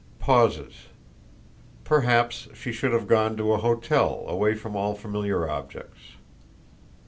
Pauses. Perhaps she should have gone to a hotel, away from all familiar objects.